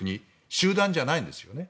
集団じゃないんですよね。